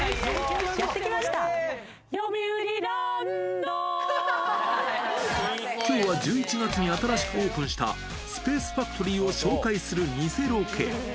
やって来ました、きょうは１１月に新しくオープンした、スペースファクトリーを紹介する偽ロケ。